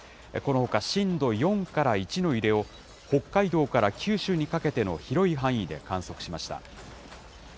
このほか震度４から１の揺れを、北海道から九州にかけての広い範囲で観測しました。